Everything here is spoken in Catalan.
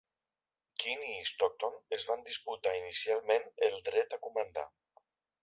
Kearny i Stockton es van disputar inicialment el dret a comandar.